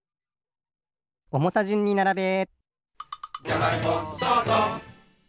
おもさじゅんにならべ！